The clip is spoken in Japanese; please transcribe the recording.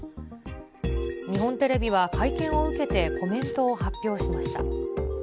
日本テレビは会見を受けてコメントを発表しました。